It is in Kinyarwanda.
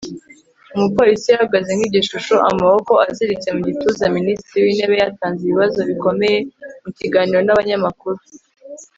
umupolisi yahagaze nk'igishusho amaboko aziritse mu gituza. minisitiri w'intebe yatanze ibibazo bikomeye mu kiganiro n'abanyamakuru